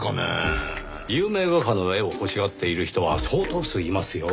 有名画家の絵を欲しがっている人は相当数いますよ。